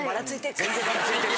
全然バラついてる。